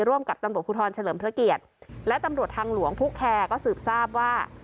ร่วมกับตำรวจภูทรเฉลิมพระเกียรติและตำรวจทางหลวงผู้แคร์ก็สืบทราบว่า